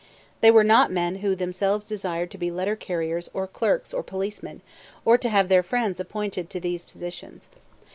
They were not men who themselves desired to be letter carriers or clerks or policemen, or to have their friends appointed to these positions.